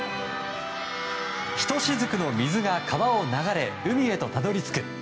一滴の水が川を流れ海へとたどり着く。